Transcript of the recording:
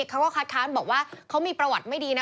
เขาก็คัดค้านบอกว่าเขามีประวัติไม่ดีนะ